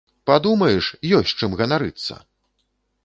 Падумаеш, ёсць чым ганарыцца!